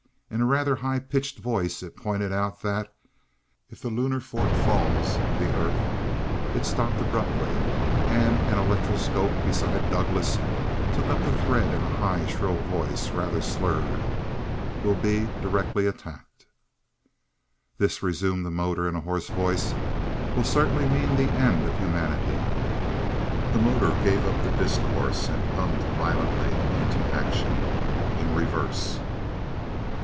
In a rather high pitched voice it pointed out that: "If the Lunar Fort falls, the Earth " It stopped abruptly, and an electroscope beside Douglass took up the thread in a high, shrill voice, rather slurred, " will be directly attacked." "This," resumed the motor in a hoarse voice, "will certainly mean the end of humanity." The motor gave up the discourse and hummed violently into action in reverse!